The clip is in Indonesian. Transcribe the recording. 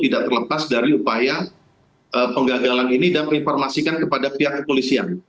tidak terlepas dari upaya penggagalan ini dan menginformasikan kepada pihak kepolisian